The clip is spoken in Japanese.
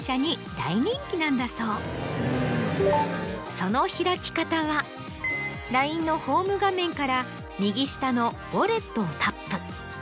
その開き方はＬＩＮＥのホーム画面から右下の「ウォレット」をタップ。